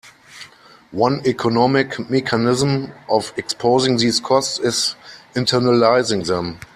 One economic mechanism of exposing these costs is internalizing them.